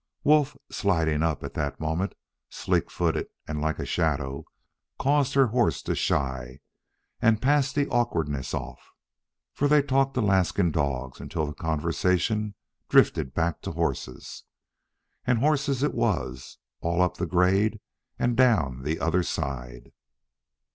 Wolf, sliding up at that moment, sleek footed and like a shadow, caused her horse to shy and passed the awkwardness off, for they talked Alaskan dogs until the conversation drifted back to horses. And horses it was, all up the grade and down the other side.